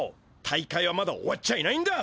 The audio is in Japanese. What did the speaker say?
大会はまだ終わっちゃいないんだ！